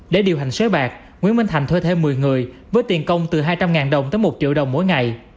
để điều hành sới bạc nguyễn minh thành thuê thêm một mươi người với tiền công từ hai trăm linh đồng tới một triệu đồng mỗi ngày